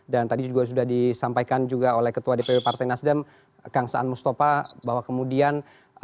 tadi juga sudah disampaikan juga oleh ketua dpp partai nasdem kang saan mustafa bahwa kemudian